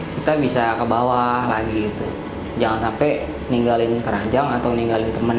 kita bisa ke bawah lagi itu jangan sampai ninggalin keranjang atau ninggalin temen